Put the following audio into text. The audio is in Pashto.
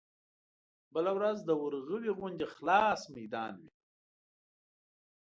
بله ورځ د ورغوي غوندې خلاص ميدان وي.